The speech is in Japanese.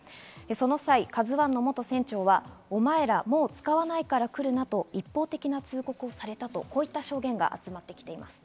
その際「ＫＡＺＵ１」の元船長は、お前らもう使わないから来るなと、一方的な通告をされたと、こういった証言が集まってきています。